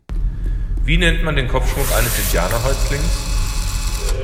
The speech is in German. Wie nennt man den Kopfschmuck eines Indianer-Häuptlings?